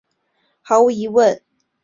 毫无疑问我可以完成那些扑救！